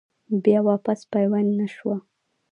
بيا واپس پيوند نۀ شوه ۔